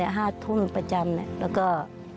ป้าก็ทำของคุณป้าได้ยังไงสู้ชีวิตขนาดไหนติดตามกัน